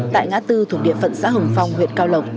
tại ngã tư thuộc địa phận xã hồng phong huyện cao lộc